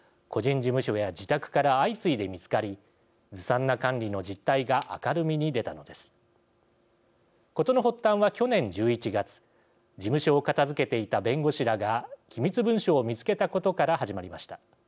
事の発端は、去年１１月事務所を片づけていた弁護士らが機密文書を見つけたことから始まりました。